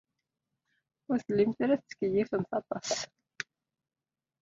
Ur tellimt ara tettkeyyifemt aṭas.